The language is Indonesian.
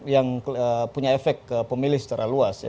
yang punya efek ke pemilih secara luas ya